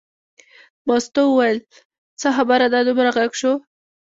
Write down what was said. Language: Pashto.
مستو وویل څه خبره ده دومره غږ شو.